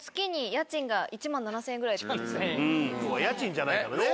家賃が家賃じゃないからね。